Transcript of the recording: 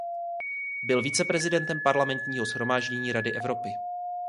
Byl viceprezidentem Parlamentního shromáždění Rady Evropy.